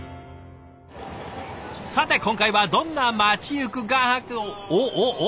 さて今回はどんな街行く画伯おっおっおお？